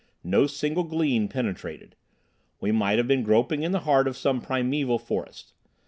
No single gleam penetrated. We might have been groping in the heart of some primeval forest.